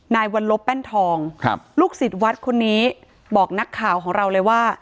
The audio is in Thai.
วันลบแป้นทองครับลูกศิษย์วัดคนนี้บอกนักข่าวของเราเลยว่า